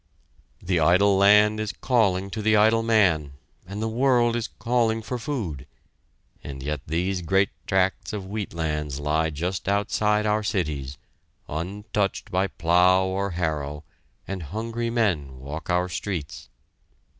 The idle land is calling to the idle man, and the world is calling for food; and yet these great tracts of wheat lands lie just outside our cities, untouched by plow or harrow, and hungry men walk our streets.